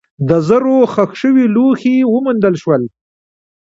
د زرو ښخ شوي لوښي وموندل شول.